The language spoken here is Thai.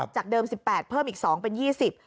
จากเดิมสิบแปดเพิ่มอีก๒เป็นยี่สิบ